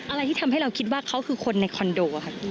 อะไรที่ทำให้เราคิดว่าเขาคือคนในคอนโดค่ะ